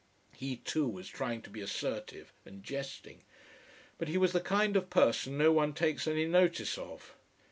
He too was trying to be assertive and jesting, but he was the kind of person no one takes any notice of.